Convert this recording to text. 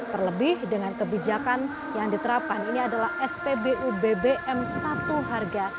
terlebih dengan kebijakan yang diterapkan ini adalah spbu bbm satu harga